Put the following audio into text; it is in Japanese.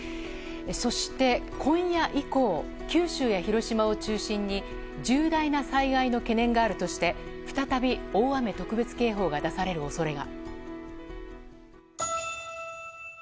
そして今夜以降九州や広島を中心に重大な災害の懸念があるとして再び大雨特別警報が出される恐れが。